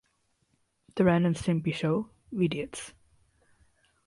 The Ren and Stimpy Show: Veediots!